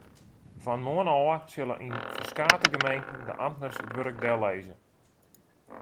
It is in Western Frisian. Fan moarn ôf sille yn ferkate gemeenten de amtners it wurk dellizze.